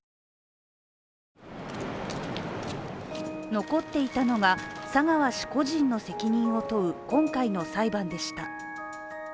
残っていたのが、佐川氏個人の責任を問う今回の裁判でした。